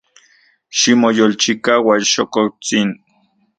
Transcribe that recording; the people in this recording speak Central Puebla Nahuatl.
Ximoyolchikaua, chokotsin.